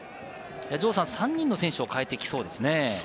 城さん３人の選手を代えてきそうですね。